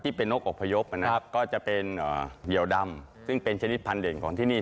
ที่เป็นนกอกพยกก็จะเป็นเหยียวดำซึ่งเป็นชนิดพันธุ์เด่นของที่นี่